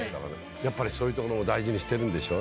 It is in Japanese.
やっぱりそういうところを大事にしてるんでしょうね。